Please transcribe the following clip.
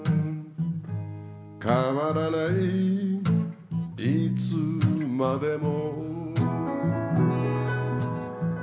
変らないいつまでも